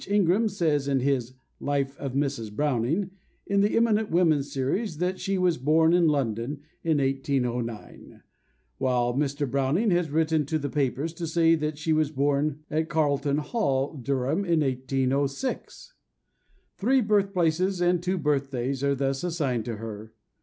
Ingram says in his Life of Mrs. Browning in the Eminent Women Series that she was born in London in 1809; while Mr. Browning has written to the papers to say that she was born at Carlton Hall, Durham, in 1806. Three birthplaces and two birthdays are thus assigned to her.